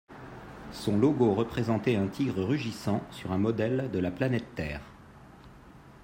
Son logo représentait un tigre rugissant sur un modèle de la planète Terre.